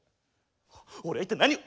俺は一体何を。